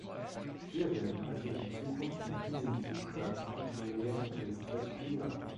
Wir werden also in Zukunft mit diesen Zuschlagskriterien restriktiver.